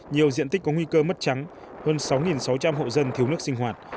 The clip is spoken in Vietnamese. nhiều diện tích có nguy cơ mất trắng hơn sáu sáu trăm linh hộ dân thiếu nước sinh hoạt